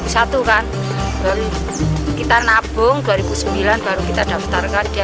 baru kita nabung dua ribu sembilan baru kita daftarkan dia